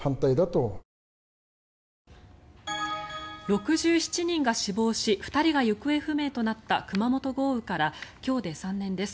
６７人が死亡し２人が行方不明となった熊本豪雨から今日で３年です。